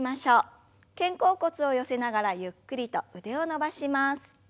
肩甲骨を寄せながらゆっくりと腕を伸ばします。